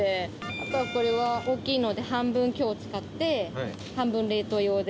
あと、これは大きいので、半分きょう使って、半分冷凍用で。